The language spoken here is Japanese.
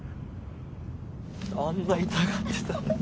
あんな痛がってたのに。